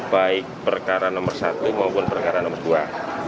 baik perkara nomor satu maupun perkara nomor dua